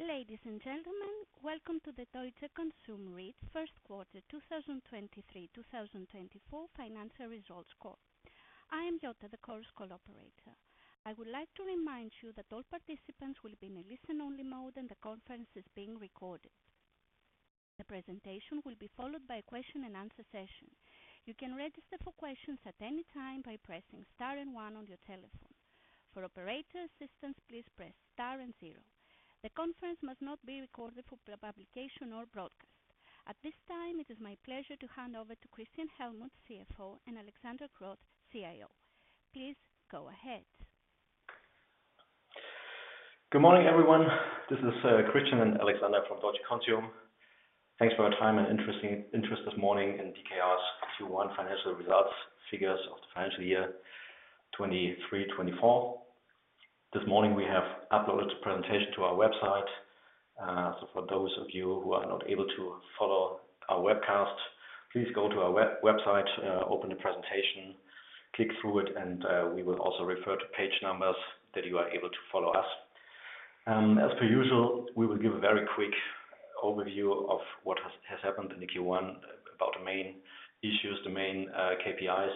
Ladies and gentlemen, welcome to the Deutsche Konsum REIT's first quarter 2023-2024 financial results call. I am Jutta, the call's coordinator. I would like to remind you that all participants will be in a listen-only mode and the conference is being recorded. The presentation will be followed by a question-and-answer session. You can register for questions at any time by pressing star and 1 on your telephone. For operator assistance, please press star and 0. The conference must not be recorded for publication or broadcast. At this time, it is my pleasure to hand over to Christian Hellmuth, CFO, and Alexander Kroth, CIO. Please go ahead. Good morning, everyone. This is Christian and Alexander from Deutsche Konsum. Thanks for your time and interest this morning in DKR's Q1 financial results figures of the financial year 2023-2024. This morning, we have uploaded the presentation to our website. So for those of you who are not able to follow our webcast, please go to our website, open the presentation, click through it, and we will also refer to page numbers that you are able to follow us. As per usual, we will give a very quick overview of what has happened in the Q1, about the main issues, the main KPIs,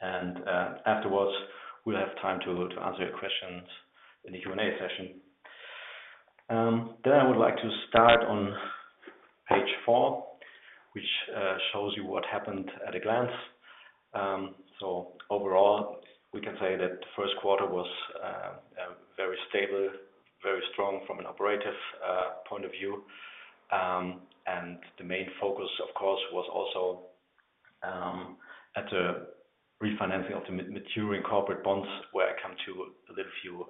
and afterwards, we'll have time to answer your questions in the Q&A session. I would like to start on page four, which shows you what happened at a glance. Overall, we can say that the first quarter was very stable, very strong from an operative point of view. The main focus, of course, was also at the refinancing of the maturing corporate bonds, where I come to a little few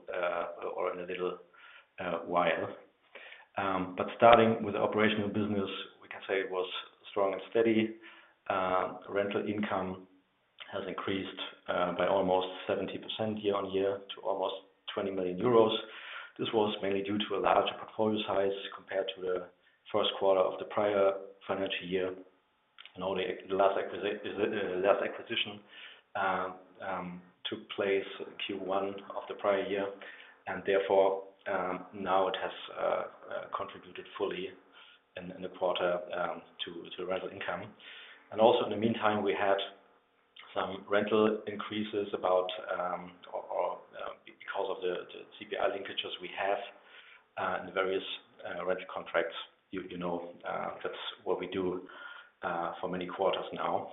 or in a little while. Starting with the operational business, we can say it was strong and steady. Rental income has increased by almost 70% year-on-year to almost 20 million euros. This was mainly due to a larger portfolio size compared to the first quarter of the prior financial year. The last acquisition took place Q1 of the prior year. Therefore, now it has contributed fully in the quarter to the rental income. Also, in the meantime, we had some rental increases because of the CPI linkages we have in the various rental contracts. That's what we do for many quarters now.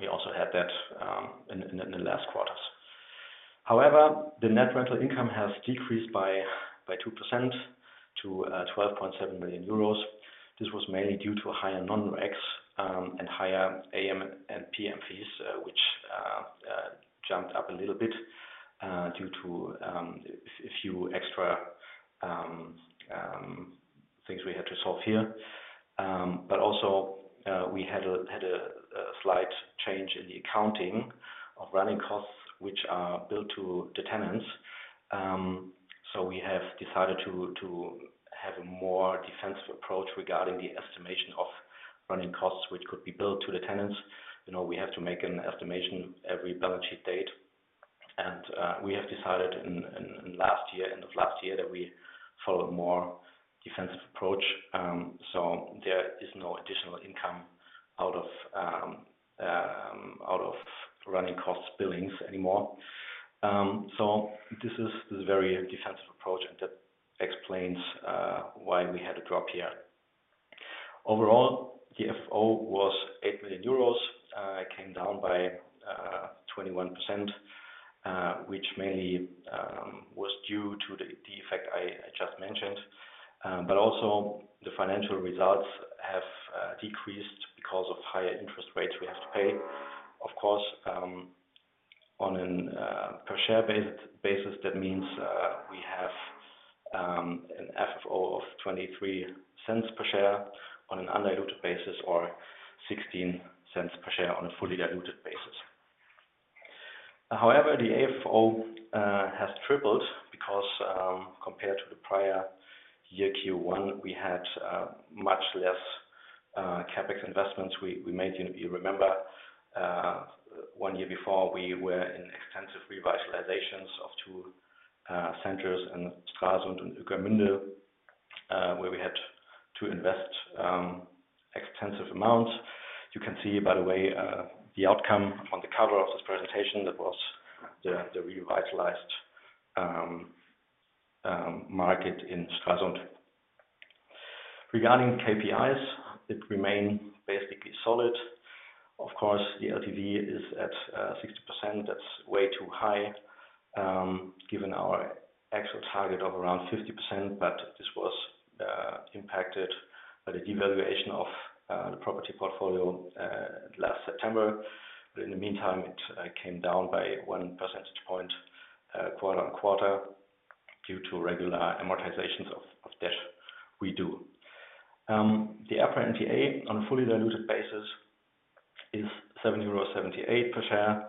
We also had that in the last quarters. However, the net rental income has decreased by 2% to 12.7 million euros. This was mainly due to higher Non-RECs and higher AM and PM fees, which jumped up a little bit due to a few extra things we had to solve here. But also, we had a slight change in the accounting of running costs, which are billed to the tenants. So we have decided to have a more defensive approach regarding the estimation of running costs, which could be billed to the tenants. We have to make an estimation every balance sheet date. And we have decided in the end of last year that we follow a more defensive approach. So there is no additional income out of running costs billings anymore. So this is a very defensive approach, and that explains why we had a drop here. Overall, the FFO was EUR 8 million. It came down by 21%, which mainly was due to the effect I just mentioned. But also, the financial results have decreased because of higher interest rates we have to pay. Of course, on a per-share basis, that means we have an FFO of 0.23 cents per share on an undiluted basis or 0.16 cents per share on a fully diluted basis. However, the AFO has tripled because compared to the prior year Q1, we had much less CapEx investments. You remember, one year before, we were in extensive revitalizations of two centers, Stralsund and Ueckermünde, where we had to invest extensive amounts. You can see, by the way, the outcome on the cover of this presentation, that was the revitalized market in Stralsund. Regarding KPIs, it remained basically solid. Of course, the LTV is at 60%. That's way too high given our actual target of around 50%. But this was impacted by the devaluation of the property portfolio last September. But in the meantime, it came down by one percentage point quarter-over-quarter due to regular amortizations of debt we do. The EPRA NTA on a fully diluted basis is €7.78 per share.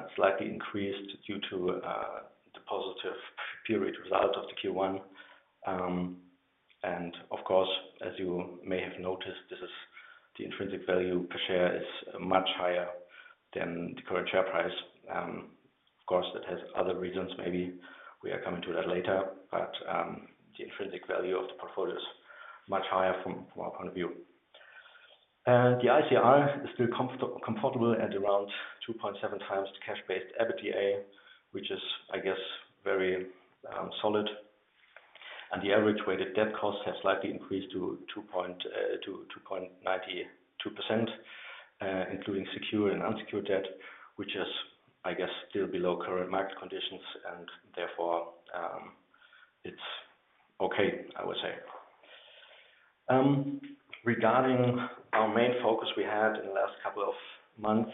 It's slightly increased due to the positive period result of the Q1. And of course, as you may have noticed, the intrinsic value per share is much higher than the current share price. Of course, that has other reasons, maybe. We are coming to that later. But the intrinsic value of the portfolio is much higher from our point of view. The ICR is still comfortable at around 2.7 times the cash-based EBITDA, which is, I guess, very solid. The average weighted debt costs have slightly increased to 2.92%, including secure and unsecured debt, which is, I guess, still below current market conditions. And therefore, it's OK, I would say. Regarding our main focus we had in the last couple of months,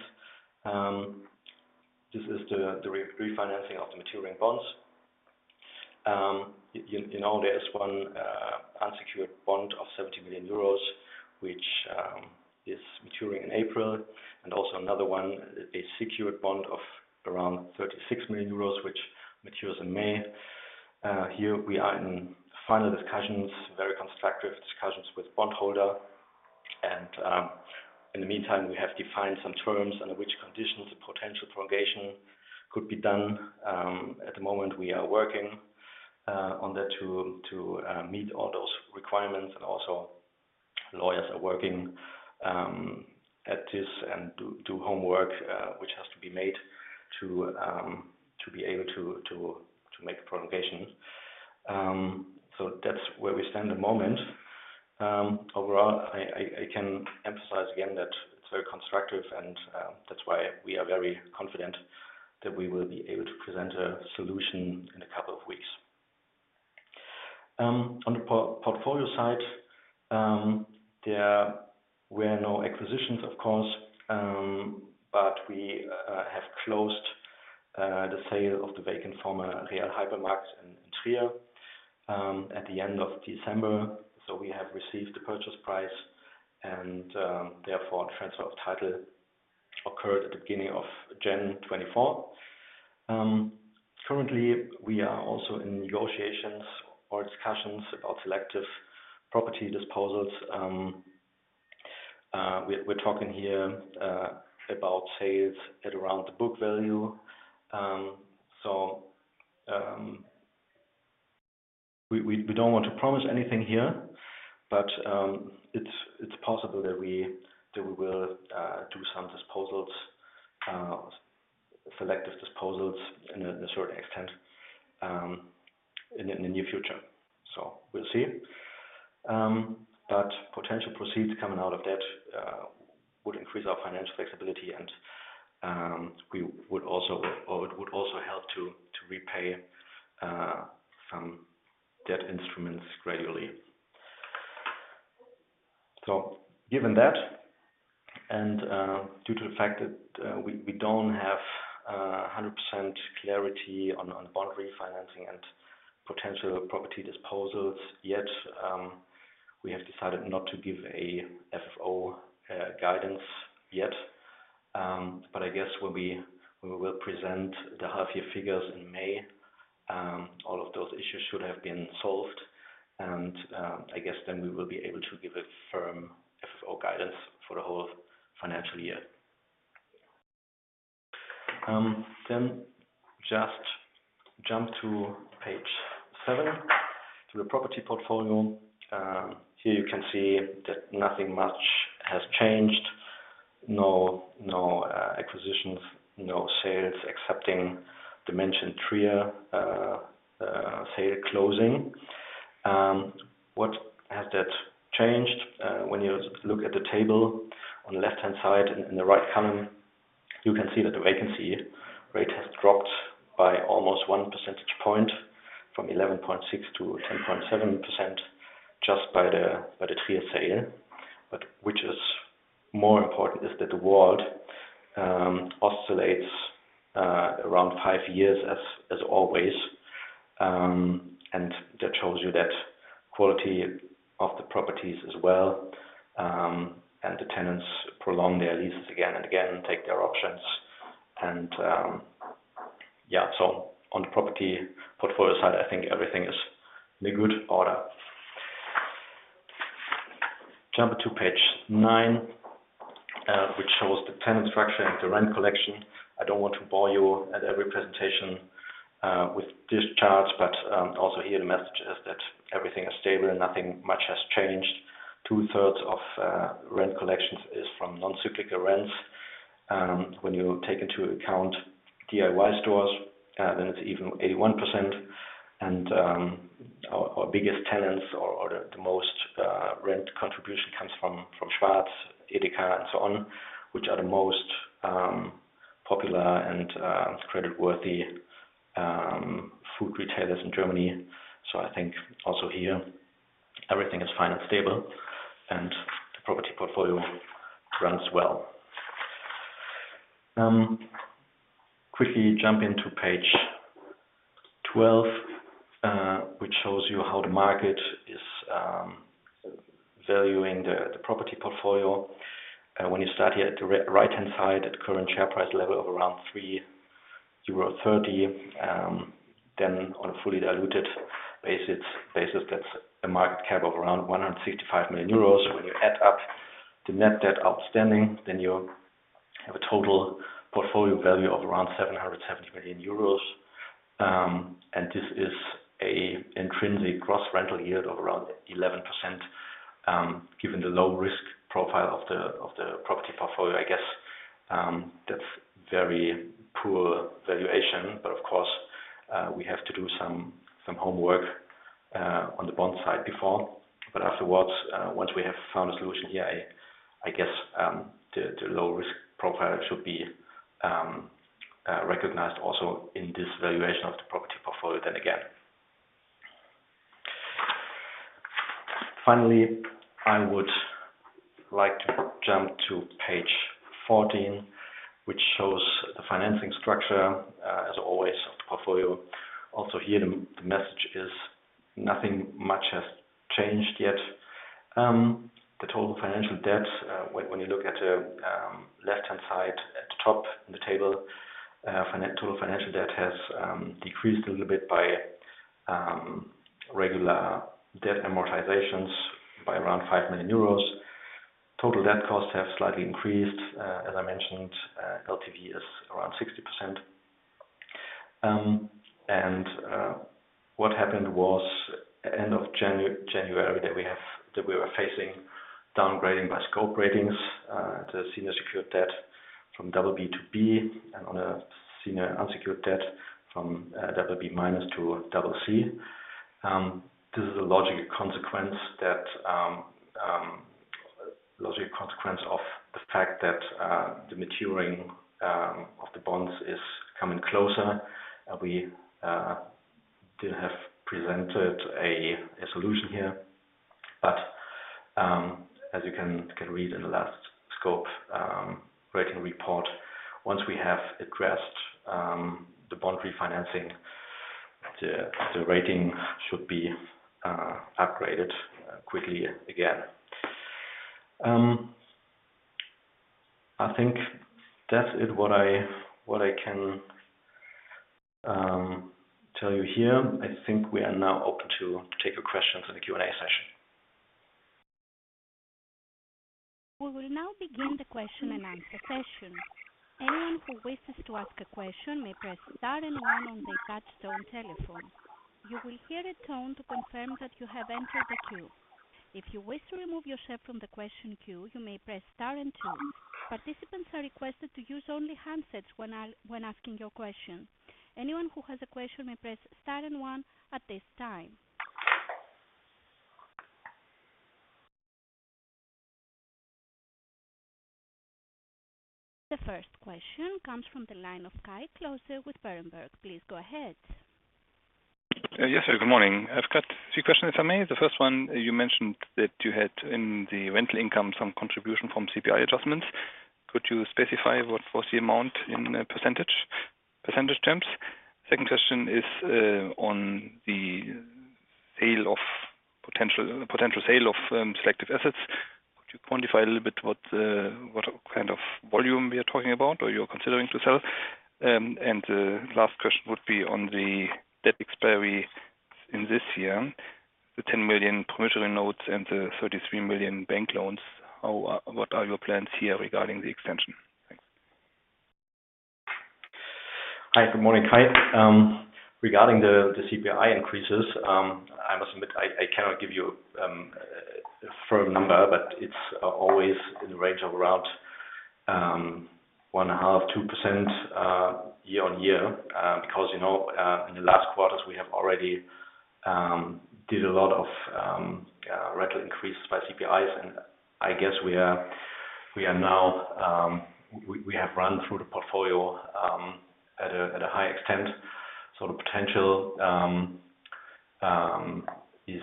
this is the refinancing of the maturing bonds. There is one unsecured bond of 70 million euros, which is maturing in April, and also another one, a secured bond of around 36 million euros, which matures in May. Here, we are in final discussions, very constructive discussions with the bondholder. And in the meantime, we have defined some terms under which conditions a potential prolongation could be done. At the moment, we are working on that to meet all those requirements. And also, lawyers are working at this and do homework, which has to be made to be able to make a prolongation. That's where we stand at the moment. Overall, I can emphasize again that it's very constructive. That's why we are very confident that we will be able to present a solution in a couple of weeks. On the portfolio side, there were no acquisitions, of course. But we have closed the sale of the vacant former Real Hypermarkt in Trier at the end of December. So we have received the purchase price. And therefore, the transfer of title occurred at the beginning of January 2024. Currently, we are also in negotiations or discussions about selective property disposals. We're talking here about sales at around the book value. So we don't want to promise anything here. But it's possible that we will do some disposals, selective disposals, in a certain extent in the near future. So we'll see. Potential proceeds coming out of that would increase our financial flexibility. It would also help to repay some debt instruments gradually. Given that and due to the fact that we don't have 100% clarity on the bond refinancing and potential property disposals yet, we have decided not to give an FFO guidance yet. I guess when we will present the half-year figures in May, all of those issues should have been solved. I guess then we will be able to give a firm FFO guidance for the whole financial year. Just jump to page seven, to the property portfolio. Here, you can see that nothing much has changed. No acquisitions, no sales excepting the mentioned Trier sale closing. What has changed? When you look at the table on the left-hand side in the right column, you can see that the vacancy rate has dropped by almost one percentage point from 11.6% to 10.7% just by the Trier sale. But what is more important is that the WALT oscillates around five years as always. That shows you the quality of the properties as well. The tenants prolong their leases again and again, take their options. Yeah, so on the property portfolio side, I think everything is in a good order. Jump to page nine, which shows the tenant structure and the rent collection. I don't want to bore you at every presentation with the charts. But also here, the message is that everything is stable. Nothing much has changed. Two-thirds of rent collections is from non-cyclical rents. When you take into account DIY stores, then it's even 81%. Our biggest tenants or the most rent contribution comes from Schwarz, EDEKA, and so on, which are the most popular and creditworthy food retailers in Germany. So I think also here, everything is fine and stable. The property portfolio runs well. Quickly jump into page 12, which shows you how the market is valuing the property portfolio. When you start here at the right-hand side, at current share price level of around 3.30 euro, then on a fully diluted basis, that's a market cap of around 165 million euros. When you add up the net debt outstanding, then you have a total portfolio value of around 770 million euros. This is an intrinsic gross rental yield of around 11% given the low-risk profile of the property portfolio. I guess that's very poor valuation. But of course, we have to do some homework on the bond side before. Afterwards, once we have found a solution here, I guess the low-risk profile should be recognized also in this valuation of the property portfolio then again. Finally, I would like to jump to page 14, which shows the financing structure, as always, of the portfolio. Also here, the message is nothing much has changed yet. The total financial debt, when you look at the left-hand side at the top in the table, total financial debt has decreased a little bit by regular debt amortizations by around 5 million euros. Total debt costs have slightly increased. As I mentioned, LTV is around 60%. And what happened was at the end of January that we were facing downgrading by Scope Ratings at a senior secured debt from double B to B and on a senior unsecured debt from double B minus to double C. This is a logical consequence of the fact that the maturing of the bonds is coming closer. We didn't have presented a solution here. But as you can read in the last Scope Ratings report, once we have addressed the bond refinancing, the rating should be upgraded quickly again. I think that's it, what I can tell you here. I think we are now open to taking questions in the Q&A session. We will now begin the question-and-answer session. Anyone who wishes to ask a question may press star and 1 on the touch-tone telephone. You will hear a tone to confirm that you have entered the queue. If you wish to remove yourself from the question queue, you may press star and 2. Participants are requested to use only handsets when asking your question. Anyone who has a question may press star and 1 at this time. The first question comes from the line of Kai Klose with Berenberg. Please go ahead. Yes, good morning. I've got a few questions, if I may. The first one, you mentioned that you had in the rental income some contribution from CPI adjustments. Could you specify what was the amount in percentage terms? The second question is on the potential sale of selective assets. Could you quantify a little bit what kind of volume we are talking about or you're considering to sell? And the last question would be on the debt expiry in this year, the 10 million promissory notes and the 33 million bank loans. What are your plans here regarding the extension? Hi, good morning, Kai. Regarding the CPI increases, I must admit, I cannot give you a firm number. But it's always in the range of around 1.5%-2% year-over-year because in the last quarters, we have already did a lot of rental increases by CPIs. And I guess we now have run through the portfolio at a high extent. So the potential is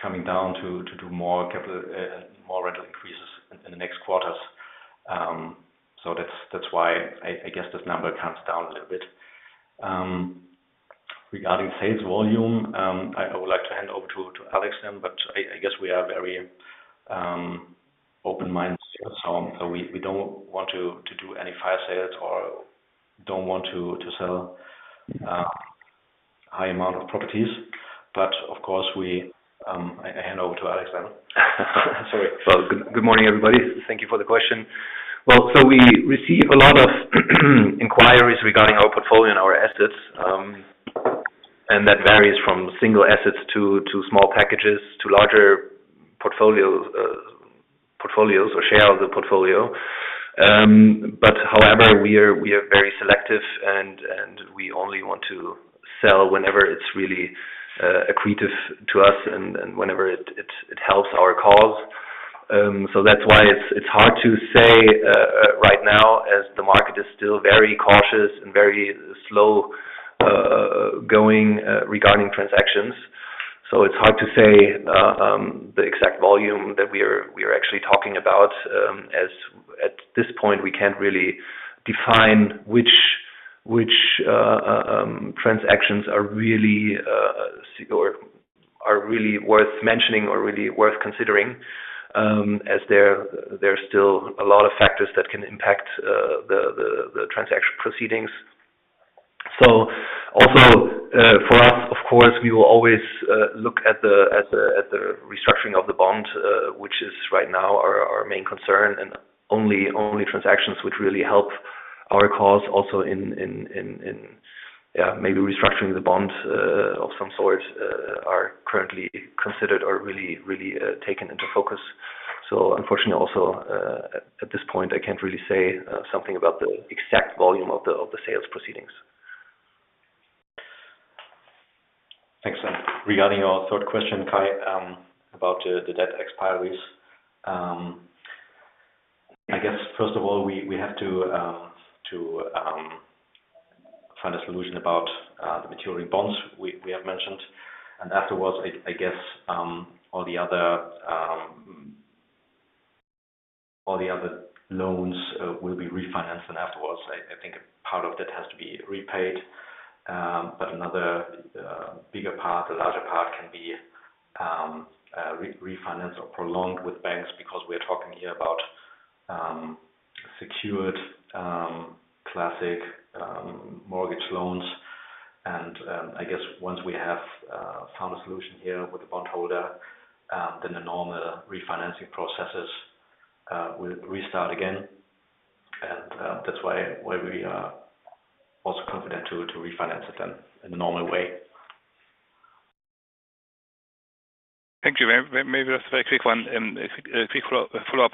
coming down to do more rental increases in the next quarters. So that's why I guess this number comes down a little bit. Regarding sales volume, I would like to hand over to Alexander Kroth. But I guess we are very open-minded here. So we don't want to do any fire sales or don't want to sell a high amount of properties. But of course, I hand over to Alexander Kroth. Sorry. Well, good morning, everybody. Thank you for the question. Well, so we receive a lot of inquiries regarding our portfolio and our assets. And that varies from single assets to small packages to larger portfolios or share of the portfolio. But however, we are very selective. And we only want to sell whenever it's really accretive to us and whenever it helps our cause. So that's why it's hard to say right now as the market is still very cautious and very slow-going regarding transactions. So it's hard to say the exact volume that we are actually talking about. At this point, we can't really define which transactions are really worth mentioning or really worth considering as there are still a lot of factors that can impact the transaction proceedings. Also for us, of course, we will always look at the restructuring of the bond, which is right now our main concern. Only transactions which really help our cause, also in maybe restructuring the bond of some sort, are currently considered or really taken into focus. Unfortunately, also at this point, I can't really say something about the exact volume of the sales proceedings. Excellent. Regarding your third question, Kai, about the debt expiries, I guess, first of all, we have to find a solution about the maturing bonds we have mentioned. And afterwards, I guess all the other loans will be refinanced then afterwards. I think a part of that has to be repaid. But another bigger part, a larger part, can be refinanced or prolonged with banks because we are talking here about secured classic mortgage loans. And I guess once we have found a solution here with the bondholder, then the normal refinancing processes will restart again. And that's why we are also confident to refinance it then in a normal way. Thank you. Maybe just a very quick follow-up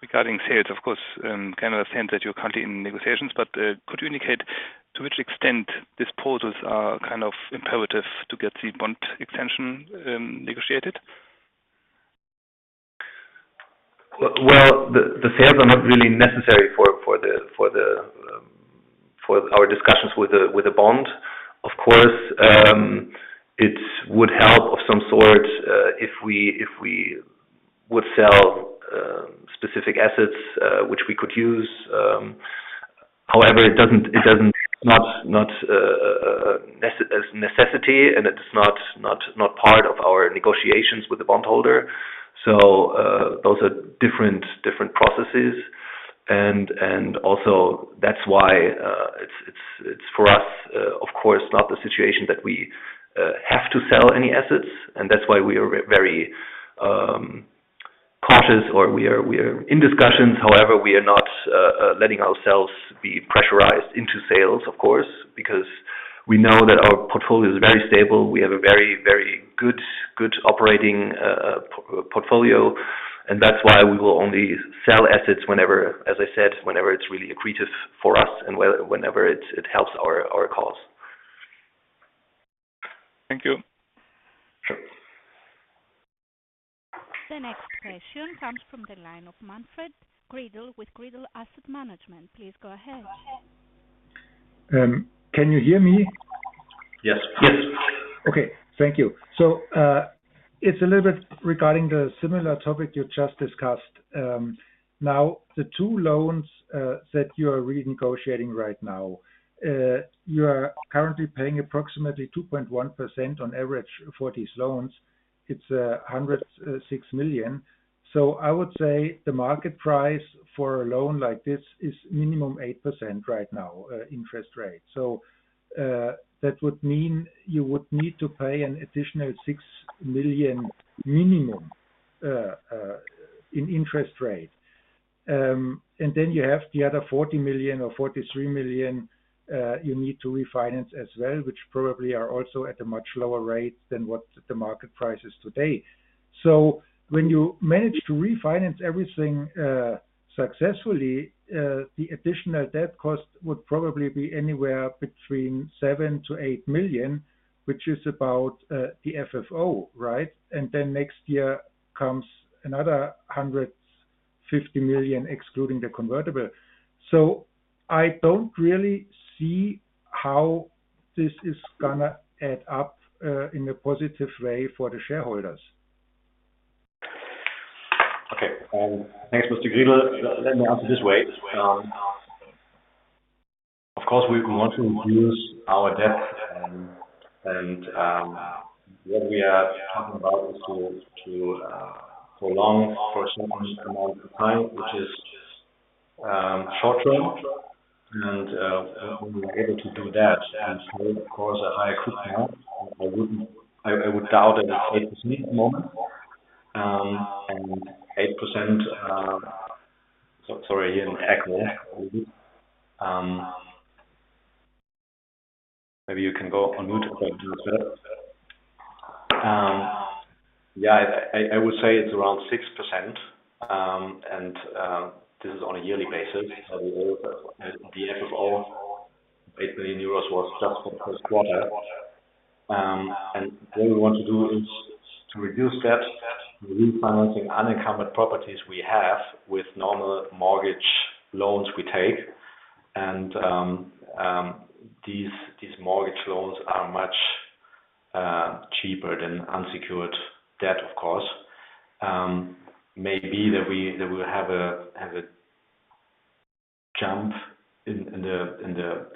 regarding sales. Of course, I can understand that you're currently in negotiations. But could you indicate to which extent disposals are kind of imperative to get the bond extension negotiated? Well, the sales are not really necessary for our discussions with the bond. Of course, it would help of some sort if we would sell specific assets which we could use. However, it doesn't. Not as necessity. And it's not part of our negotiations with the bondholder. So those are different processes. And also, that's why it's for us, of course, not the situation that we have to sell any assets. And that's why we are very cautious or we are in discussions. However, we are not letting ourselves be pressurized into sales, of course, because we know that our portfolio is very stable. We have a very, very good operating portfolio. And that's why we will only sell assets whenever, as I said, whenever it's really accretive for us and whenever it helps our cause. Thank you. Sure. The next question comes from the line of Manfred Gridl with Gridl Asset Management. Please go ahead. Can you hear me? Yes. Yes. Okay. Thank you. So it's a little bit regarding the similar topic you just discussed. Now, the two loans that you are renegotiating right now, you are currently paying approximately 2.1% on average for these loans. It's 106 million. So I would say the market price for a loan like this is minimum 8% right now interest rate. So that would mean you would need to pay an additional 6 million minimum in interest rate. And then you have the other 40 million or 43 million you need to refinance as well, which probably are also at a much lower rate than what the market price is today. So when you manage to refinance everything successfully, the additional debt cost would probably be anywhere between 7 million-8 million, which is about the FFO, right? And then next year comes another 150 million excluding the convertible. I don't really see how this is going to add up in a positive way for the shareholders. Okay. Thanks, Mr. Gridl. Let me answer this way. Of course, we want to reduce our debt. And what we are talking about is to prolong for a certain amount of time, which is short-term. And when we are able to do that and sell, of course, a higher quick payout, I would doubt that it's 8% at the moment. And 8% sorry, I hear an echo. Maybe you can go on mute if that's better. Yeah, I would say it's around 6%. And this is on a yearly basis. So the FFO of 8 million euros was just for the first quarter. And what we want to do is to reduce that refinancing unencumbered properties we have with normal mortgage loans we take. And these mortgage loans are much cheaper than unsecured debt, of course. Maybe that we will have a jump in the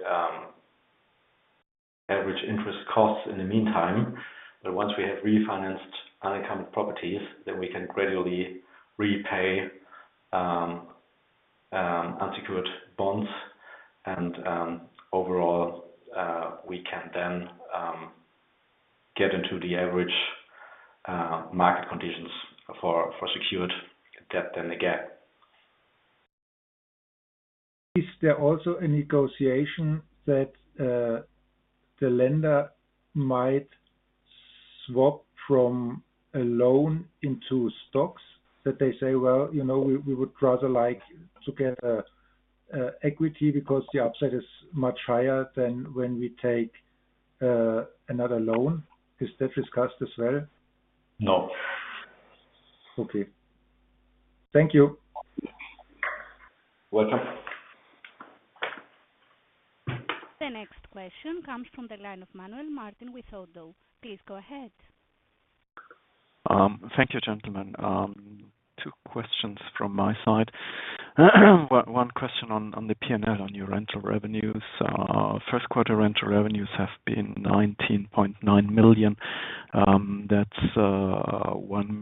average interest costs in the meantime. But once we have refinanced unencumbered properties, then we can gradually repay unsecured bonds. And overall, we can then get into the average market conditions for secured debt then again. Is there also a negotiation that the lender might swap from a loan into stocks that they say, "Well, we would rather like to get equity because the upside is much higher than when we take another loan"? Is that discussed as well? No. Okay. Thank you. Welcome. The next question comes from the line of [inaudible] Please go ahead. Thank you, gentlemen. Two questions from my side. One question on the P&L, on your rental revenues. First quarter rental revenues have been 19.9 million. That's 1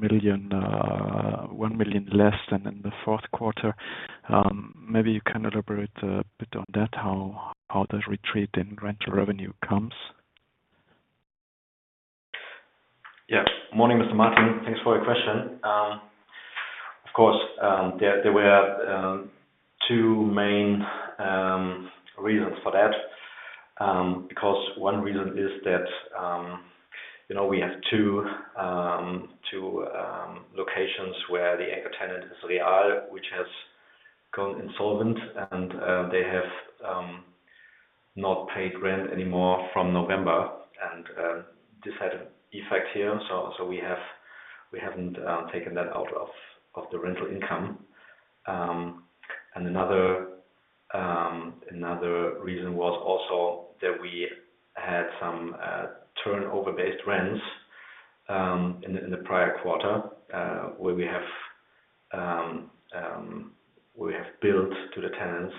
million less than in the fourth quarter. Maybe you can elaborate a bit on that, how that retreat in rental revenue comes? Yeah. Morning, Mr. Martin. Thanks for your question. Of course, there were two main reasons for that because one reason is that we have two locations where the anchor tenant is real, which has gone insolvent. And they have not paid rent anymore from November. And this had an effect here. So we haven't taken that out of the rental income. And another reason was also that we had some turnover-based rents in the prior quarter where we have billed to the tenants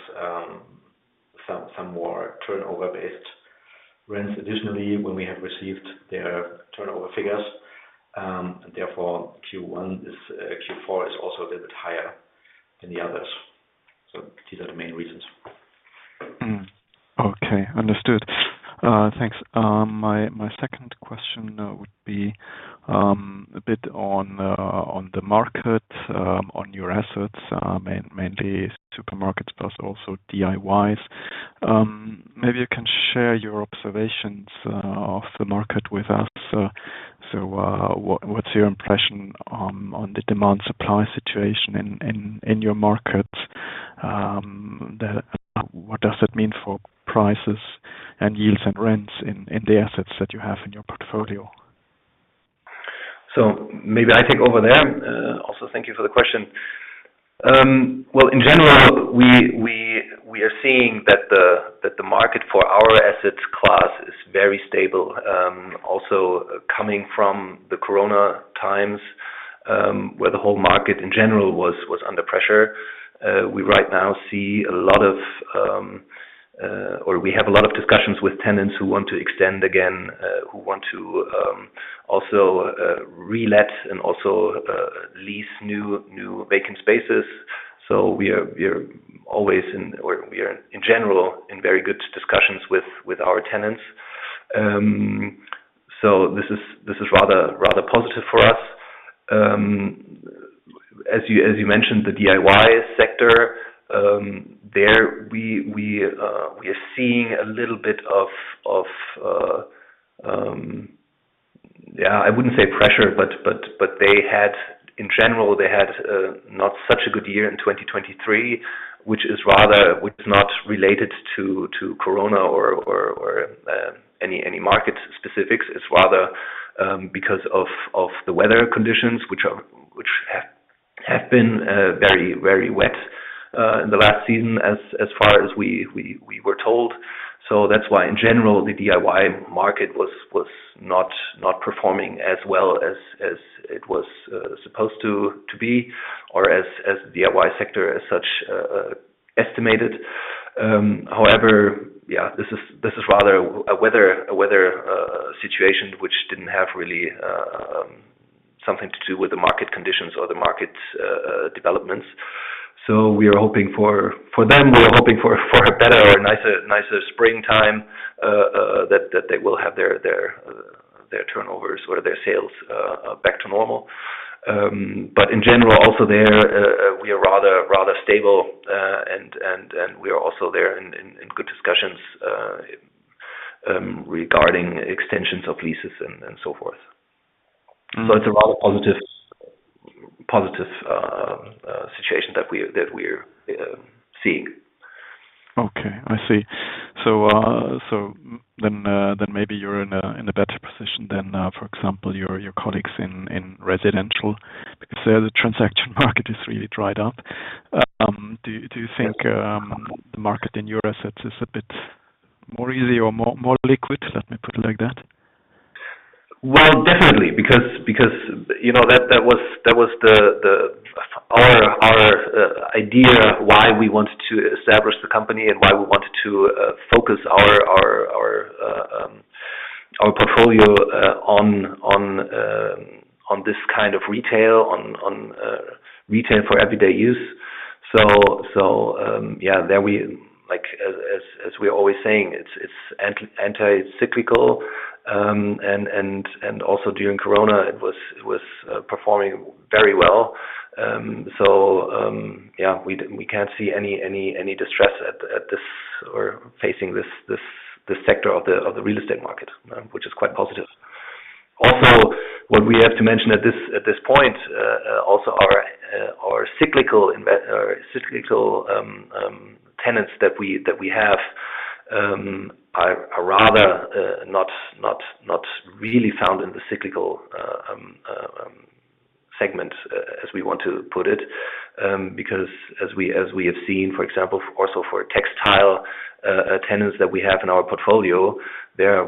some more turnover-based rents additionally when we have received their turnover figures. And therefore, Q4 is also a little bit higher than the others. So these are the main reasons. Okay. Understood. Thanks. My second question would be a bit on the market, on your assets, mainly supermarkets, but also DIYs. Maybe you can share your observations of the market with us. So what's your impression on the demand-supply situation in your markets? What does that mean for prices and yields and rents in the assets that you have in your portfolio? So maybe I take over there. Also, thank you for the question. Well, in general, we are seeing that the market for our asset class is very stable, also coming from the corona times where the whole market, in general, was under pressure. We right now see a lot of or we have a lot of discussions with tenants who want to extend again, who want to also relet and also lease new vacant spaces. So we are always in or we are, in general, in very good discussions with our tenants. So this is rather positive for us. As you mentioned, the DIY sector, there, we are seeing a little bit of yeah, I wouldn't say pressure. But in general, they had not such a good year in 2023, which is not related to corona or any market specifics. It's rather because of the weather conditions, which have been very, very wet in the last season as far as we were told. So that's why, in general, the DIY market was not performing as well as it was supposed to be or as the DIY sector as such estimated. However, yeah, this is rather a weather situation, which didn't have really something to do with the market conditions or the market developments. So we are hoping for them. We are hoping for a better or nicer springtime that they will have their turnovers or their sales back to normal. But in general, also there, we are rather stable. And we are also there in good discussions regarding extensions of leases and so forth. So it's a rather positive situation that we are seeing. Okay. I see. So then maybe you're in a better position than, for example, your colleagues in residential because there, the transaction market is really dried up. Do you think the market in your assets is a bit more easy or more liquid? Let me put it like that. Well, definitely because that was our idea why we wanted to establish the company and why we wanted to focus our portfolio on this kind of retail, on retail for everyday use. So yeah, there, as we are always saying, it's anti-cyclical. And also during corona, it was performing very well. So yeah, we can't see any distress facing this sector of the real estate market, which is quite positive. Also, what we have to mention at this point, also our cyclical tenants that we have are rather not really found in the cyclical segment, as we want to put it, because as we have seen, for example, also for textile tenants that we have in our portfolio, they have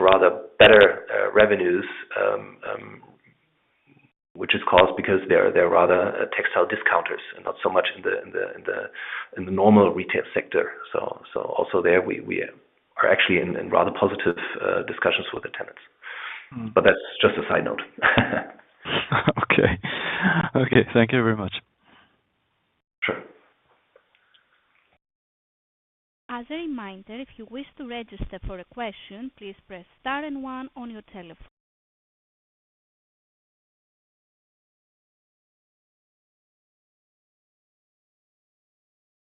rather better revenues, which is caused because they're rather textile discounters and not so much in the normal retail sector. Also there, we are actually in rather positive discussions with the tenants. That's just a side note. Okay. Okay. Thank you very much. Sure. As a reminder, if you wish to register for a question, please press star and 1 on your telephone.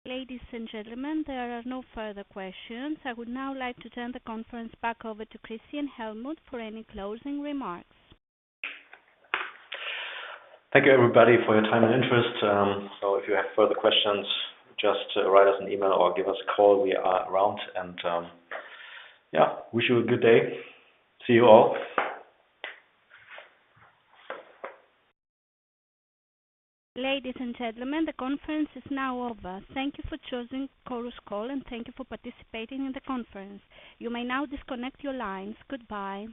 Ladies and gentlemen, there are no further questions. I would now like to turn the conference back over to Christian Hellmuth for any closing remarks. Thank you, everybody, for your time and interest. So if you have further questions, just write us an email or give us a call. We are around. And yeah, wish you a good day. See you all. Ladies and gentlemen, the conference is now over. Thank you for choosing Chorus Call, and thank you for participating in the conference. You may now disconnect your lines. Goodbye.